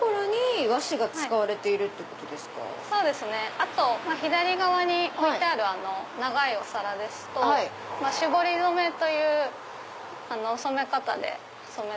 あと左側に置いてある長いお皿ですと絞り染めという染め方で。